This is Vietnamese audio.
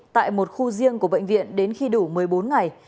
tại một khu riêng của bệnh viện đến khi đủ một mươi bốn ngày